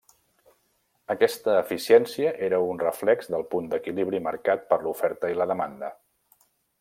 Aquesta eficiència era un reflex del punt d'equilibri marcat per l'oferta i la demanda.